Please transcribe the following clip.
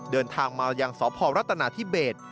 เดินทางมาหยังสชรัฐณะที่เบส